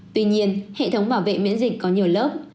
tuy nhiên hệ thống bảo vệ miễn dịch có nhiều lớp